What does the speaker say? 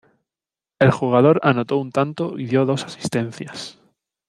El jugador anotó un tanto y dio dos asistencias.